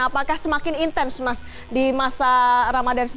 apakah semakin intens mas di masa ramadhan